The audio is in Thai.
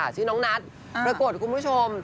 ชื่อน้องนัทปรากฏคุณผู้ชม